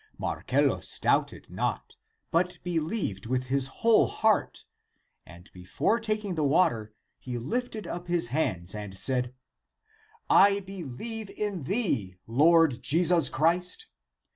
Marcellus doubted not, but believed with his whole heart, and before taking the water he lifted up his hands and said, " I believe in thee. Lord Jesus Christ.